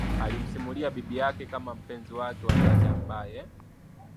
Alimsimulia bibi yake kama mpenzi wake wa dhati ambaye